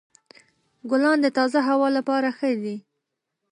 ګلان د تازه هوا لپاره ښه دي.